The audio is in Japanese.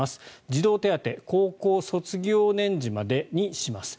児童手当高校卒業年次までにします。